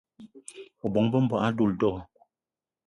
O bóng-be m'bogué a doula do?